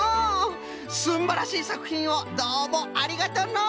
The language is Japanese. すんばらしいさくひんをどうもありがとうのう。